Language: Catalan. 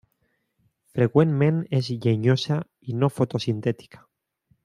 Freqüentment és llenyosa i no fotosintètica.